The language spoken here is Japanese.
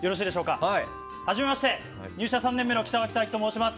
はじめまして入社３年目の北脇太基と申します。